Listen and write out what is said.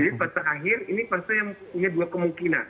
jadi fase akhir ini pasien punya dua kemungkinan